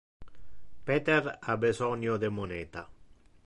Peter ha besonio de moneta.